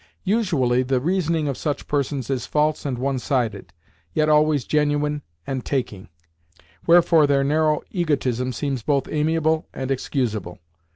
Usually the reasoning of such persons is false and one sided, yet always genuine and taking; wherefore their narrow egotism seems both amiable and excusable.